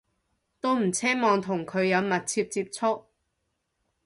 都唔奢望同佢哋有密切接觸